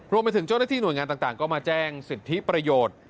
รวมไปถึงเจ้าหน้าที่หน่วยงานต่างก็มาแจ้งสิทธิประโยชน์